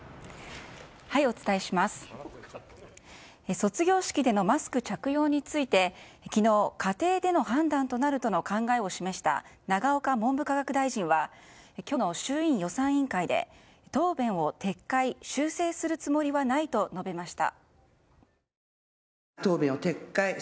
卒業式でのマスク着用について昨日、家庭での判断となるとの考えを示した永岡文部科学大臣は今日の衆院予算委員会で答弁を撤回・修正するつもりはないと述べました。